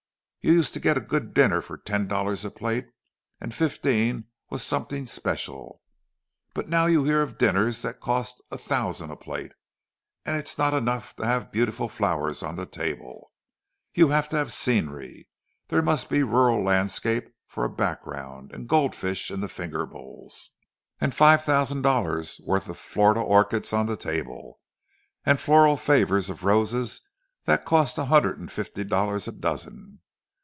You used to get a good dinner for ten dollars a plate, and fifteen was something special; but now you hear of dinners that cost a thousand a plate! And it's not enough to have beautiful flowers on the table—you have to have 'scenery'; there must be a rural landscape for a background, and goldfish in the finger bowls, and five thousand dollars' worth of Florida orchids on the table, and floral favours of roses that cost a hundred and fifty dollars a dozen.